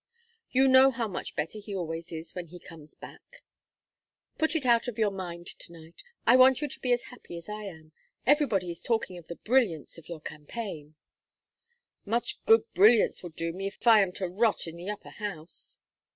You know how much better he always is when he comes back. Put it out of your mind to night. I want you to be as happy as I am. Everybody is talking of the brilliance of your campaign " "Much good brilliance will do me if I am to rot in the Upper House!"